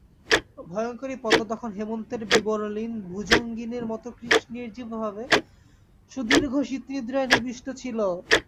ভয়ংকরী পদ্মা তখন হেমন্তের বিবরলীন ভুজঙ্গিনীর মতো কৃশ নির্জীবভাবে সুদীর্ঘ শীতনিদ্রায় নিবিষ্ট ছিল।